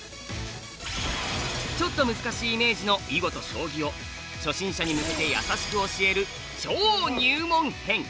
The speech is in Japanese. ちょっと難しいイメージの囲碁と将棋を初心者に向けて優しく教える超入門編。